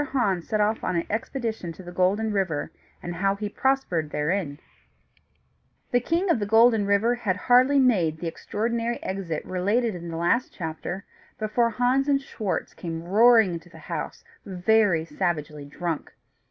HANS SET OFF ON AN EXPEDITION TO THE GOLDEN RIVER, AND HOW HE PROSPERED THEREIN The King of the Golden River had hardly made the extraordinary exit related in the last chapter, before Hans and Schwartz came roaring into the house, very savagely drunk.